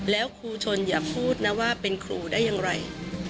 แล้วครูชนอย่าพูดนะว่าเป็นครูได้อย่างไร